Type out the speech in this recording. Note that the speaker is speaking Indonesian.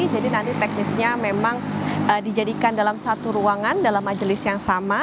jadi nanti teknisnya memang dijadikan dalam satu ruangan dalam majelis yang sama